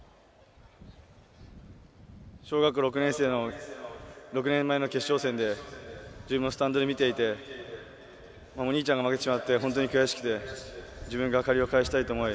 小学６年生の６年前の決勝戦で自分もスタンドで見ていてお兄ちゃんが負けてしまって本当に悔しくて自分が借りを返したいと思い